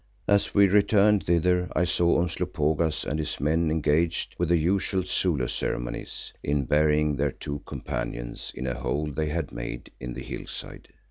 As we returned thither I saw Umslopogaas and his men engaged, with the usual Zulu ceremonies, in burying their two companions in a hole they had made in the hillside.